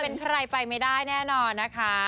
เป็นใครไปไม่ได้แน่นอนนะคะ